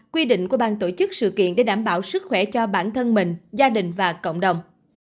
quy định của bang tổ chức sự kiện để đảm bảo sức khỏe cho bản thân mình gia đình và cộng đồng